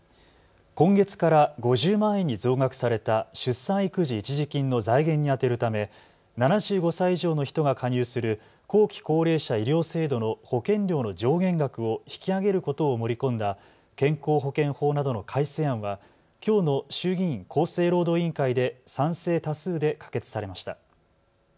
今月から５０万円に増額された出産育児一時金の財源に充てるため７５歳以上の人が加入する後期高齢者医療制度の保険料の上限額を引き上げることを盛り込んだ健康保険法などの改正案はきょうの衆議院厚生労働委員会で賛成多数で可決されました。